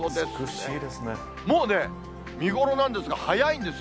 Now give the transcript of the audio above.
もうね、見頃なんですが、早いんです。